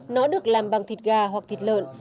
nó được làm bằng thịt gà hoặc thịt lợn